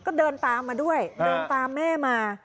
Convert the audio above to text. ก็เดินตามมาด้วยเดินตามแม่มา